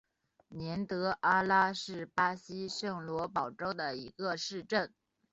年德阿拉是巴西圣保罗州的一个市镇。